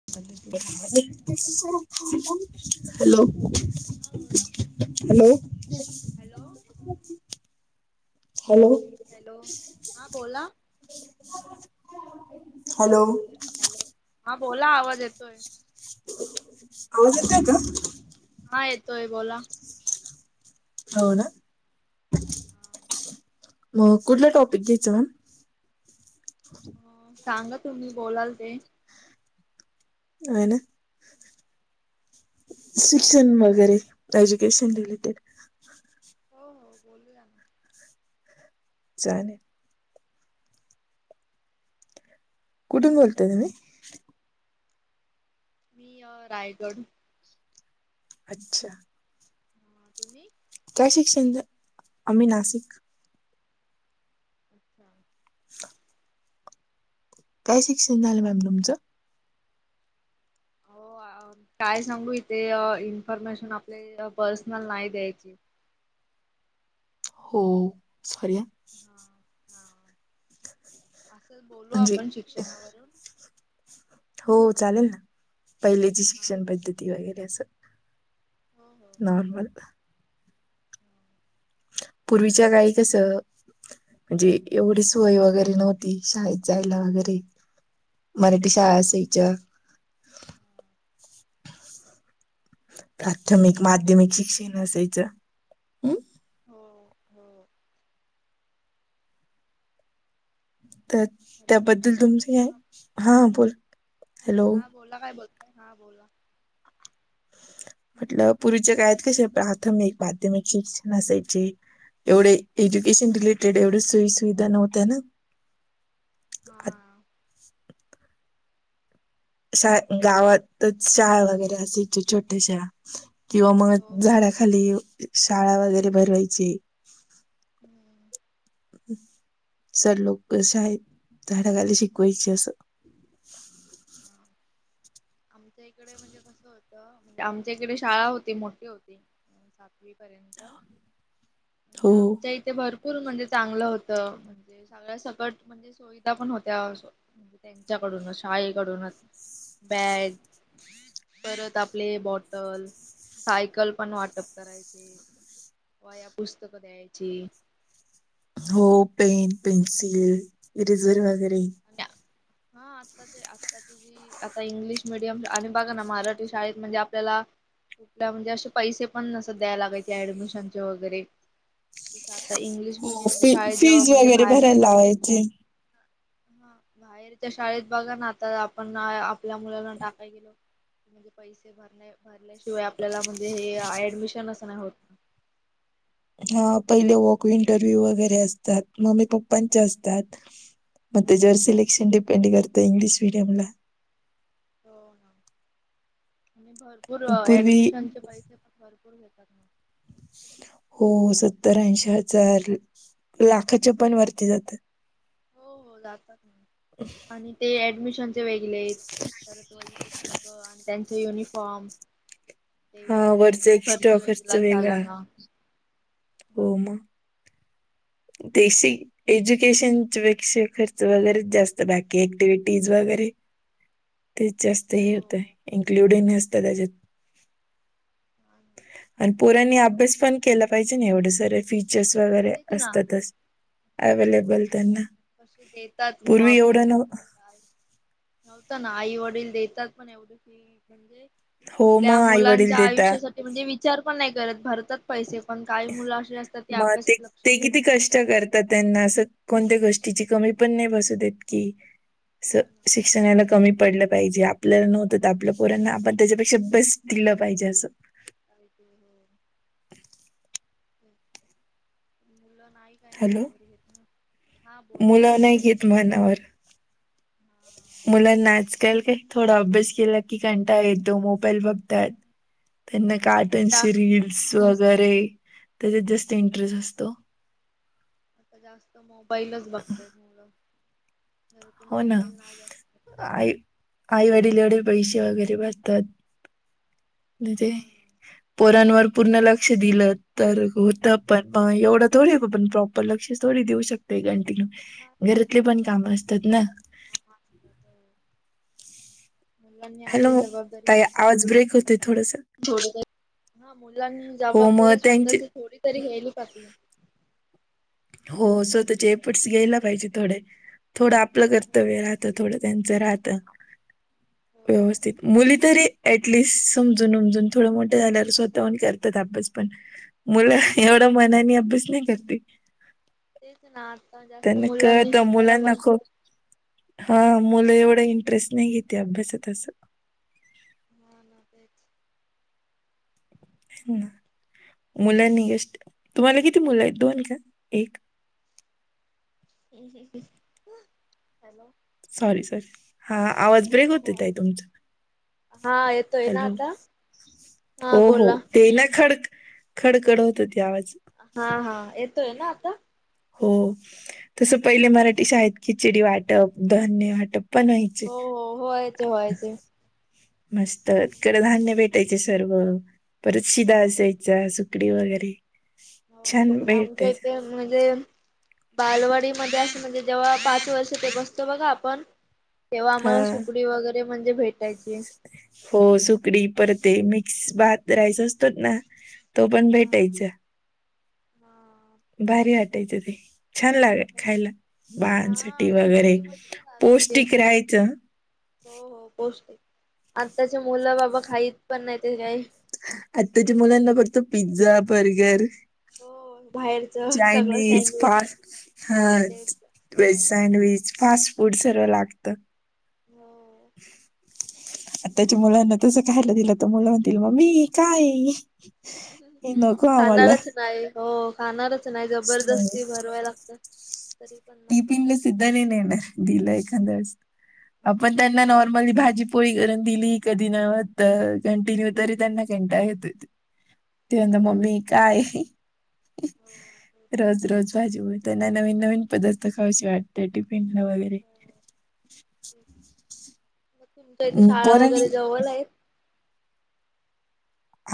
[inaudible] Hello, हा बोला hello. Hello hello. Hello हां बोला. हॅलो. हॅलो, हा बोला आवाज येतोय. आवाज येतोय का? हा येतोय बोला. हो ना. हा. मग कुठलं टॉपिक घ्यायचं मॅम? अ सांगा तुम्ही बोलाल ते. आहे ना. शिक्षण वगैरे, एज्युकेशन रिलेटेड. हो हो बोलू या ना. चालेल. कुठ गेलते तुम्ही? मी अ रायगड. अच्छा. हां तुम्ही? काय शिक्षण झा? आम्ही नाशिक. अच्छा. काय शिक्षण झाल मॅम तुमचं? अहो काय सांगू इथे इन्फॉर्मेशन आपली पर्सनल नाही द्यायची. हो सॉरी हं. हा हा असंच बोलू म्हणजे आपण शिक्षणावरून. हो चालेल ना. पहिलेची हा शिक्षण पद्धती वगैरे असं. हो हो नॉर्मल. हा पूर्वीच्या काळी कसं म्हणजे एवढी सोय वगैरे नव्हती शाळेत जायला वगैरे. मरठी शाळा हो ना असायच्या. हा प्राथमिक, आता तेच माध्यमिक शिक्षण असायचं. हम्म हो हो तर हॅलो त्याबद्दल तुमच हा काय- हा बोल हॅलो. हा बोला काय बोलताय? हा बोला. म्हटलं पूर्वीच्या काळात कसे प्राथमिक माध्यमिक शिक्षण असायचे एवढे एज्युकेशन रिलेटेड एवढ्या सोयी सुविधा नव्हत्या ना. आत- हां. शा गावातच शाळा वगैरे असायची छोट्याशा. किंवा हो मग हो झाडाखाली शाळा वगैरे भरवायची. हम्म सर लोक शाळेत झाडाखाली शिकवायची असं. हा आमच्या इकडे म्हणजे कसं होतं. म्हणजे आमच्या इकडे शाळा होती मोठी होती सातवी पर्यंत. म्हणजे हो आमच्या इथे भरपूर. भरपूर म्हणजे चांगलं होतं म्हणजे सगळ्या सकट म्हणजे सुविधा पण होत्या. म्हणजे त्यांच्याकडूनच शाळेकडूनच. बॅग परत आपले बॉटल सायकल पण वाटप करायचे. वह्या पुस्तक द्यायची. हो पेन, पेन्सिल, इरेझर हो. वगैरे हा आता ते आ त आता इंग्लिश मिीडियम आणि बघा ना मराठी शाळेत म्हणजे आपल्याला. कुठल्या म्हणजे असे पैसे पण नस द्याय लागायचे ऍडमिशनचे वगैर. तु आता इंग्लिश हो मिीडियम फी शाळेत जेव्हा फीज म्हणजे वगैरे बाहेर. भरायला लावायची हा बाहेरच्या शाळेत बघा ना आता आपण आपल्या मुलांना टाकायला गेलो की. म्हणजे पैसे भरण्या भरल्याशिवाय आपल्याला म्हणजे हे ऍडमिशन असं नाही होत. हा पहिले वक इंटरव्ह्यू वगैरे असतात मम्मी पप्पांचे असतात. मग त्याच्यावर सिलेक्शन डिपेंड करत इंग्लिश मीडियम ला. हो ना आणि भरपूर पूर्वी ऍडमिशनचे पैसे. भरपूर घेतात मग. हो सत्तरऐंशी हजार. लाखाचे पण वरती जातात. हो हो [inaudible] जातात आणि ते ऍडमिशन. वेगळे परत वई पुस्तकं आणि त्यांच युनिफॉर्म. ते हा वेगळे वरचा तो खर्च एक्स्ट्रा वेगळाच झाला वेगळा ना. हो मग. देशीी एज्युकेशनच्या पेक्षा खर्च वगैरेच जास्त बाकी ऍक्टिव्हटीज वगैरे. ते जास्त हे होतं हो इन्क्लूडसत त्याच्यात [inaudible] आणि पुरांनी अभ्यास पण केला पाहिजे ना एवढे सारे फीचर्स हो वगैरे तेच ना असतातच. अवेलेबल त्यांना कसे देतात पूर्वी एवढं न नव्हत ना आई वडील देतात पण एवढं की म्हणजे हो, आपल्या मग आई-वडील मुलांच्या देतात. आयुष्यासाठी. ते म्हणजे विचार पण नाही करत भरतात पैसे पण काही मुलं असे असतात. ते मग अभ्यासात लक्ष तीची. किती कष्ट करतात त्यांना असं कोणत्या गोष्टीची कमी पण नाही बसू देत की. हो ना, शिक्षणाला कमी पडलं पाहिजे आपलं नव्हतं तर आपल्या पोरांना आपण त्याच्यापेक्षा बस्ट दिलं पाहिजे असं [inaudible] काय हॅलो. मनावर घेत ना हा बोला मुलं नाही घेत म्हणावर हा मुलांना आजकाल काय थोडा अभ्यास केला की कंटाळा येतो मोबाईल बघतात ह त्यांना तेच ना कार्टनची जास्त रीलीलस वगैरे त्याच्यात जास्त इंटरेस्ट असतो आता जास्त मोबाईलच बघतय मुल. खरं तर हो ना. मोबाईल नाही जास्त पाहिज. आई आईवडील एवढे पैसे वगैरे भरतात म्हणजे हा ना. पोरांवर पूर्ण लक्ष दिलं तर होत पण मग एवढं थोडे पण प्रॉ ण लक्ष थोडी देऊ शकतय गणटीन नाही ना घरातले पण काम असतात ना काम असतात मुलांनी आपली हॅलो जबाबदारी ताई आवाज ब्रेक होते थोडस सोपत हा मुलांनी हो मग जबाबदारी त्यांचे स्वतःची थोडी तरी घ्यायली पातली. हो स्वतःचेपटस घ्यायला पाहिजे थोडे. थोडं आपलं पाहिजे कर्तव्य राहतं थोडं त्यांच राहत. हो व्यवस्थित मुली तरी ऍटलिस्ट समजून उमजून थोडं मोठं झाल्यावर स्वतःहण करतात अभ्यास पण मुलं एवढा मनानी अभ्यास नाही करती. तेच ना जास्त त्यांना मुलांनी कळतं मुला शिकायला नको पाहिजे. हा मुलं एवढा इंटरेस्ट नाही घेते अभ्यासात असं. हा ना तेच. मुलांनी गष्ट. तुम्हाला किती मुलं आहेत दोन का एक? हॅलो. सॉरी सॉरी हा आवाज ब्रेक होतो ताई आहे तुमचा हा येतोय ना हॅलो आता? हा हो हो बोला ते ना खड खडकड होत ते आवाज हा हा येतोय ना आता? हो तसं पहिले मराठी शाळेत खिचडी वाटप धान्य वाटप. पण व्हायचे हो हो होयचे होयचे. मस्त कड धान्य भेटायचे सर्व परत शिदा हा असायची चा सुकडी वगैरे हो छान सुप आमच्या भेटायचं इथे म्हणजे. बालवाडीमध्ये असं म्हणजे जेव्हा पाच वर्ष ते बसतो बघा आपण तेव्हा आम्हाला हा सुकडी वगैरे म्हणजे भेटायची. हो सुकडी परते मिक्स भात राईस असतोच ना. तो पण हा भेटायचा हा. भारी वाटायचं ते छान लागय. हो खायला बाळांसाठी छान वगैरे सुकुडी मस्त लागायची पौष्टिक राहायचं. हो हो पौष्टिक आत्ताच्या मुलं बाबा खाईत पण नाही ते काही. आताच्या मुलांना फक्त पिझ्झा बर्गर हो. बाहेरच सगळं चायनीज सँडविच पास हा तेच असलं व्हेज पाहिजे सँडविच फास्ट फूड सर्व लागत. हो. [unintelligible] आता चा मुलांना तसं खायला दिलं तर मुलं म्हणतील मम्मी काय आहे हे. हम्म हम्म नको आम्हाला खाणारच नाही. हो खाणारच नाही जबरदस्ती भरवाय लागत. टिफिन सुद्धा नाही नेणार दिलं एखादवेळस आपण हो ना त्यांना नॉ [unintelligible] भाजी पोळी करून दिली कधी नव्हत कंटिन्यूतरी त्यांना कंटाळा येतोय. ते आता हा ना मम्मी काय हो तेच रोज रोज. भाजी पोळी त्यांना नवीन नवीन पदार्थ खावेशे वाटते टिफिन ला वगैरे. तर. तेच. मग तुमच्या इथे अं, शाळा पोरांनी वगैरे जवळ आहेत?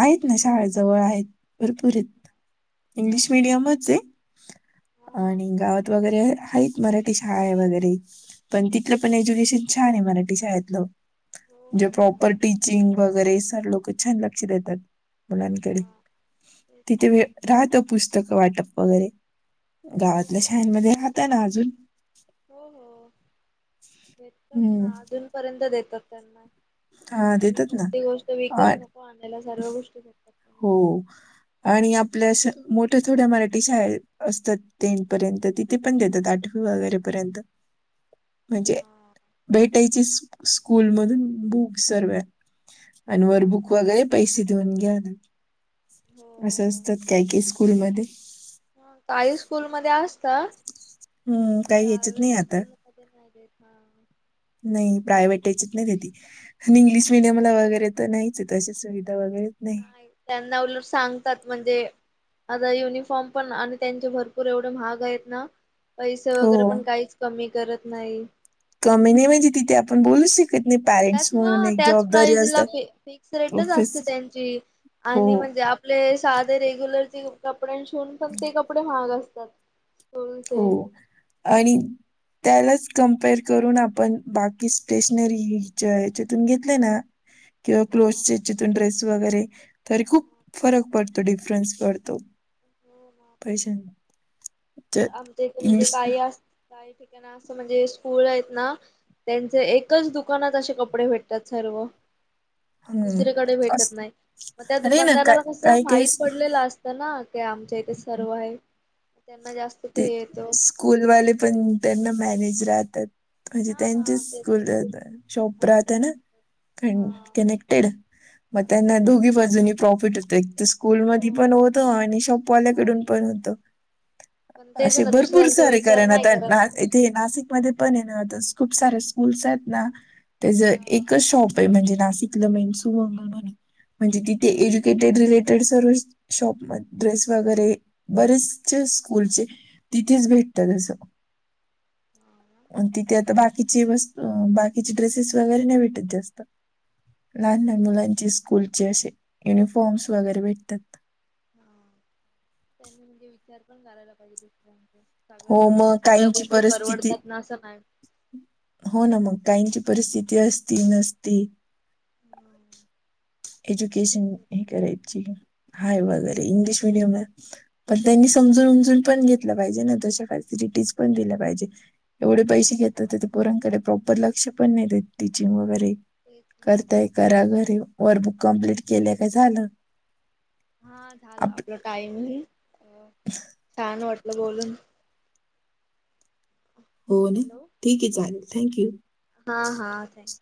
आहेत ना शाळेजवळ आहेत भरपूर आहेत इंग्लिश हा ते मिडियमच ये. हा हा आणि गावात वगैरे आहेत. मराठी शाळा आहे वगैरे, पण तिथलं पण एज्युकेशन छान आहे मराठी शाळेतलं. हो जे हो प्रॉपर भारत टीचिंग वगैरे सर लोक छान लक्ष देतात मुलांकडे हा तेच तिथे ना वेळ राहत पुस्तक वाटप वगैरे हो गावातल्या पुस्तक शाळांमध्ये वगैरे राहतं ना भेट अजून. हो हो देतात हं. ना अजून पर्यंत देतात त्यांना. हां, देतात ना. कोणती गोष्ट आ विकत नको आणायला सर्व गोष्टी भेटतात. त्यांना. हो आणि आपल असं मोठ्या थोड्या मराठी शाळेत असतात टेन पर्यंत तिथे पण देतात आठ वगैरेपर्यंत. म्हणजे हा भेटायची स्कूल मधून बुक सर्व्या. अन वर हा बुक वगैरे पैसे देऊन घ्याना. असं हो असतात काय केस स्कूलमध्ये. हा काही स्कूलमध्ये असता. हम्म काही याच्यात प्रायव्हेट नाही आता स्कूल मध्ये नाय देत ना. नाई प्रायव्हेट याच्यात नाय देती. आणि इंग्लिश मिडियमला वगैरे तर नाहीचयेत अशी सुविधा वगैरे. नाही नाहीत त्यांना उलट सांगतात म्हणजे आता युनिफॉर्म पण आणि त्यांचे भरपूर एवढे महाग येत ना. पैसे हो वगैरे पण काहीच कमी करत नाही. कमी नाही बाई तिथे आपण बोलूशी त्याच ह त्याच प्राइजला असतात फि-फिक्स रेटच ऑफिस असते त्यांची. हो आणि म्हणजे आप आपले साधे रेग्युलरचे कपड्यां शिवून पण ते कपडे महाग असतात. स्कूलचे. हो आणि त्यालाच कम्पेअर करून आपण बाकी स्टेशनरीच्या ह्याच्यातून घेतले ना हो किंवा [unintelligible] ड्रेस वगैरे. तरी खूप फरक पडतो डिफरन्स पडतो हो महाग पैशे तर आमच्या इथ म्हणजे काही अस, काही ठिकाण असं म्हणजे स्कूल आहेत ना. त्यांच एकच दुकानात अशे कपडे भेटतात सर्व. हम्म. दुसरीकडे भेटत अस- नाय मग त्या अरे ना काय दुकानदाराला कसं काही काही माहीत स- पडलेलं असत. तर ना ते आमच्या इथे सर्व हाय त्यांना जास्त ते हे येतो स्कूलवाले पण त्यांना मॅनेज राहतात. हा हा तेच [unintelligible] शॉप राहत असतात. आहे ना हा कनेक्टेड. मग पण एक त्यांना दोघी बाजूनी प्रॉफीट होतं एक स्कूलमधी पण हो होत. आणि शॉपवाल्याकडून बाहेरून पण होतं. पण तेच असे ना भरपूर दुसऱ्यांचा सारे विचार कारण नाही आता करत मग. [unintelligible] ते नाशिकमध्ये पण ये ना आता खूप सारे स्कूल्स आहेतना त्याच हा एकच शॉप म्हणजे नाशिक मेन सुंग म्हण म्हणजे तिथे हा एज्युकेटेड रिलेटेड सर्व. शॉप मध्ये ड्रेस वगैरे बरेचसे स्कूलचे. तिथेच भेटतं तसं. हा तिथे आता बाकीची वस्त बाकीचे ड्रेसेस वगैरे नाही भेटत जास्त. लहान हा लहान मुलांचे स्कूलचे असे युनिफॉर्म्स वगैरे भेटतात. हा त्यांनी म्हणजे विचार पण करायला पाहिजे दुसऱ्यांचा. हो सगळ्यांना मग सगळ्या काहींची गोष्टी परिस्थिती परवडतात ना असं नाही. हो ना मग काहीची परिस्थिती असती नसती. एज्युकेशन हे करायची हाय वगैरे इंग्लिश मीडियम आहे. पण त्यांनी समजून उमजून पण घेतलं पाहिजे, ना तश्या फॅसिलिटीज पण दिल्या पाहिजे. एवढे पैसे घेतात हो त्या पोरांकडून, प्रॉपर लक्ष पण नाही देत टीचिंग वगैरे तेच ना. करताय. घरा घरी वर्कबुक कमप्लीट केले काय झालं. हा झालं आप आपला टाइमिंग छान वाटलं बोलून. हो ना हॅलो ठीक आहे चालेल थँक यू. हा हा थँक्यू